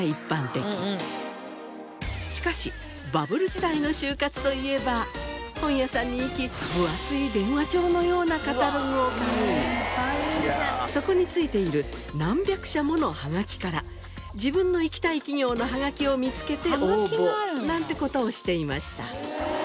しかしバブル時代の就活といえば本屋さんに行き分厚い電話帳のようなカタログを買いそこに付いている何百社ものハガキから自分の行きたい企業のハガキを見つけて応募なんて事をしていました。